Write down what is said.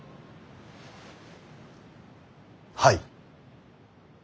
はい。